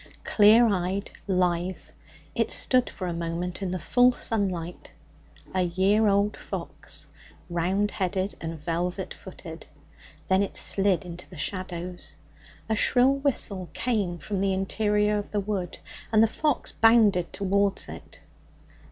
Clear eyed, lithe, it stood for a moment in the full sunlight a year old fox, round headed and velvet footed. Then it slid into the shadows. A shrill whistle came from the interior of the wood, and the fox bounded towards it.